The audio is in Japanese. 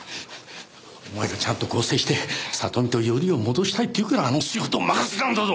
お前がちゃんと更生して里実とよりを戻したいって言うからあの仕事を任せたんだぞ！